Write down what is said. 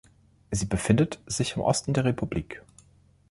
Sie befindet sich im Osten der Republik.